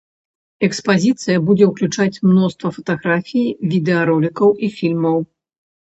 Экспазіцыя будзе ўключаць мноства фатаграфій, відэаролікаў і фільмаў.